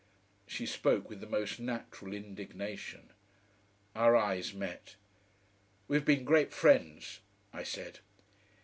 She spoke with the most natural indignation. Our eyes met. "We've been great friends," I said.